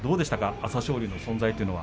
朝青龍の存在というのは。